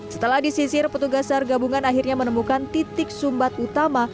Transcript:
setelah disisir petugas sargabungan akhirnya menemukan titik sumbat utama